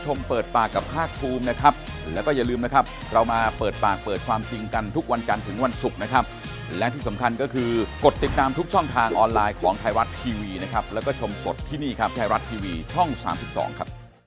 สวัสดีครับ